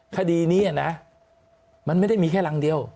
คดีนี้นะมันไม่ได้มีแค่รังเดียว